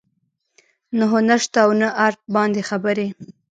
نه هنر شته او نه ارټ باندې خبرې